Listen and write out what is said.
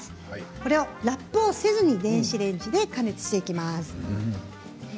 これをラップをせず電子レンジで加熱していきます。